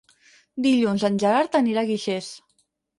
Dilluns en Gerard anirà a Guixers.